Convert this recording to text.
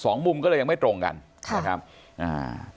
มุมก็เลยยังไม่ตรงกันค่ะนะครับอ่า